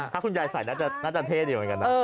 ถ้าคุณยายใส่น่าจะเท่เดียวเหมือนกันนะ